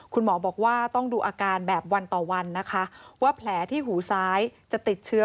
คุณหมอบอกว่าต้องดูอาการแบบวันต่อวันนะคะว่าแผลที่หูซ้ายจะติดเชื้อ